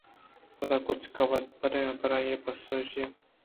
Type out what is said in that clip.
پدا کُچکءَبَد برانءَپرآئی پسّہ ایشیءَمانُبّرءُ غرق کن: اے زاناں انچیں شَرّیں چیزے